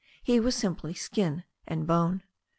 He was simply skin and bone.